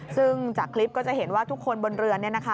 ซึ่งจากคลิปก็จะเห็นว่าทุกคนบนเรือ